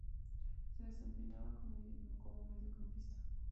Se desempeñaba como Mediocampista.